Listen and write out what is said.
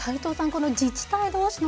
この自治体同士の連携